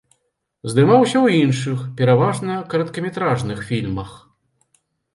Здымаўся ў іншых, пераважна, кароткаметражных фільмах.